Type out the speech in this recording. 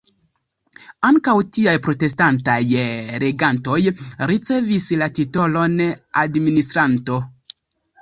Ankaŭ tiaj protestantaj regantoj ricevis la titolon "administranto".